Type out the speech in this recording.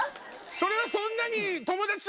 それはそんなに。